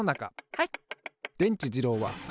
はい！